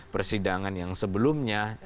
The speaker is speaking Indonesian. persidangan yang sebelumnya